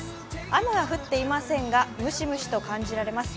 雨は降っていませんが、ムシムシと感じます。